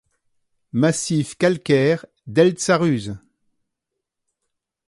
Massif calcaire d'Eltzarruze.